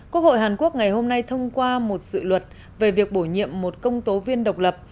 quốc hội hàn quốc ngày hôm nay thông qua một dự luật về việc bổ nhiệm một công tố viên độc lập